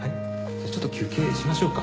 じゃあちょっと休憩しましょうか。